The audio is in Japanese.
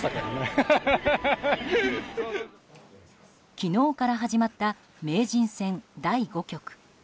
昨日から始まった名人戦第５局。